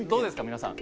皆さん。